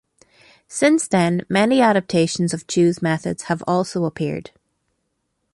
Since then, many adaptations of Chu's methods have also appeared.